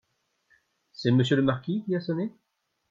C’est monsieur le marquis qui a sonné ?